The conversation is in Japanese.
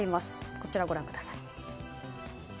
こちら、ご覧ください。